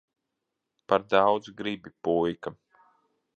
Par daudz gribi, puika.